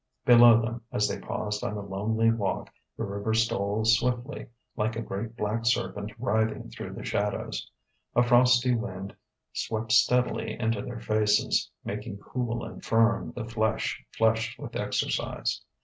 Below them, as they paused on a lonely walk, the river stole swiftly, like a great black serpent writhing through the shadows. A frosty wind swept steadily into their faces, making cool and firm the flesh flushed with exercise.